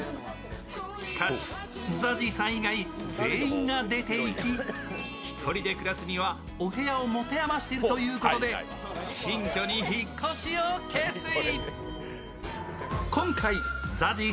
しかし、ＺＡＺＹさん以外、全員が出て行き１人で暮らすにはお部屋をもてあましているということで新居に引っ越しを決意。